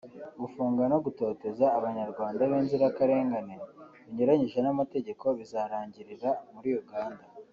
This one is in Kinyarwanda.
gufunga no gutoteza abanyarwanda b’inzirakarengane binyuranyije n’amategeko bizarangirira muri Uganda